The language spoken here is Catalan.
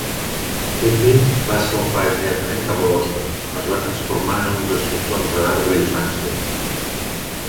"Higbee" va salpar immediatament cap a Boston, on es va transformar en un destructor amb radar de vigilància.